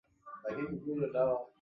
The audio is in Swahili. wa kisiasa na kuanzisha mfumo wa bunge